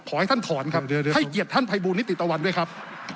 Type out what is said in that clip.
ขอให้ท่านถอนครับให้เกียรติท่านภัยบูลนิติตะวันด้วยครับ